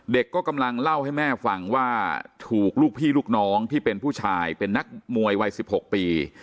ก็กำลังเล่าให้แม่ฟังว่าถูกลูกพี่ลูกน้องที่เป็นผู้ชายเป็นนักมวยวัย๑๖ปี